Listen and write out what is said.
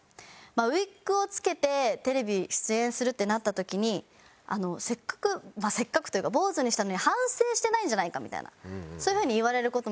ウィッグを着けてテレビ出演するってなった時にせっかくせっかくというか坊主にしたのに反省してないんじゃないかみたいなそういう風に言われる事も。